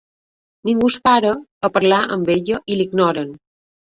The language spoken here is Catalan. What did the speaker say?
Ningú es para a parla amb ella i l’ignoren.